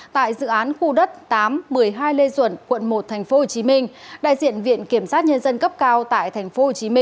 tại dự án khu đất tám một mươi hai lê duẩn quận một tp hcm đại diện viện kiểm sát nhân dân cấp cao tại tp hcm